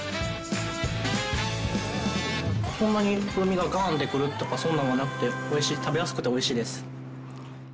そんなに風味がガンッてくるとかそんなのはなくて食べやすくて美味しいです。